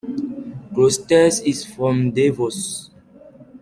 Klosters is from Davos.